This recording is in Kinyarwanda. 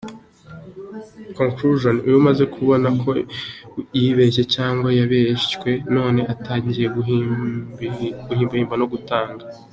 Conclusion: Uyu amaze kubona ko yibeshye cyangwa yabeshywe none atangiye guhimbahimba no gutanga